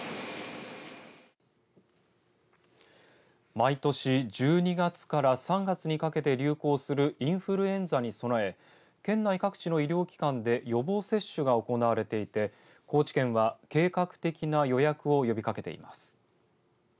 毎年１２月から３月にかけて流行するインフルエンザに備え県内各地の医療機関で予防接種が行われていて高知県は、計画的な予約を呼びかけています。